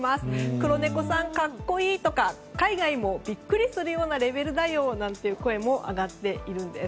クロネコさん格好いいとか海外もビックリするようなレベルだよなんて声も上がってるんです。